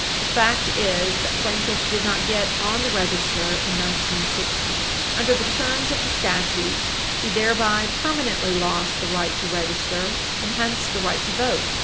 The fact is that plaintiff did not get on the register in 1916. Under the terms of the statute, he thereby permanently lost the right to register, and hence the right to vote.